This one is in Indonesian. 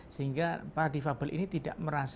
sehingga para defable ini tidak merasa